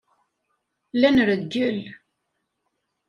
La nreggel.